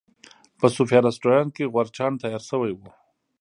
په صوفیا رسټورانټ کې غورچاڼ تیار شوی و.